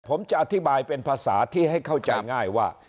ผมจะอธิบายเป็นภาษาที่ให้เข้าใจง่ายว่า